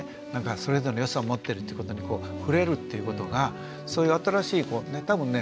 それぞれの良さを持ってるってことに触れるっていうことがそういう新しい多分ね